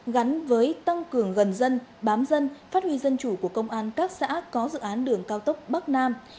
gắn với tăng cường gần dân bám dân phát huy dân chủ của công an các xã có dự án đường cao tốc bắc nam